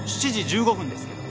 ７時１５分ですけど。